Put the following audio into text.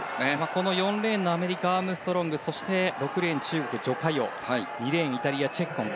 この４レーンのアメリカアームストロングそして、６レーンの中国ジョ・カヨ２レーンイタリア、チェッコン。